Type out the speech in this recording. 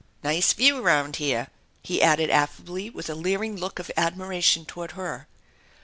" Nice view 'round here !" he added affably with a leering look of admiration toward her.